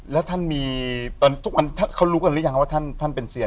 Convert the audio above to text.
แล้วท่านมีทุกวันเขารู้กันหรือยังว่าท่านเป็นเซียน